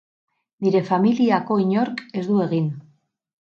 Nire familiako inork ez du egin.